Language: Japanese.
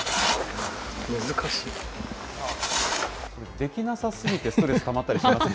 できなさすぎてストレスたまったりしません？